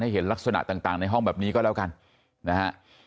เห็นลักษณะต่างในห้องแบบนี้ก็แล้วกันนะฮะ